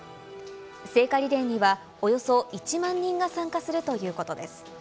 聖火リレーには、およそ１万人が参加するということです。